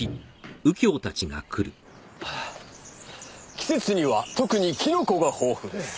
「季節には特にキノコが豊富です」